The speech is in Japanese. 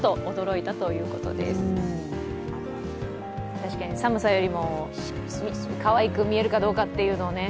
確かに寒さよりもかわいく見えるかどうかというのをね